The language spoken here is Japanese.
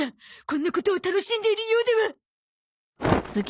こんなことを楽しんでいるようでは！